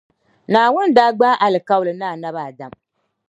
Naawuni daa gbaai alikauli ni Annabi Adam.